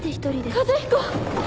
和彦！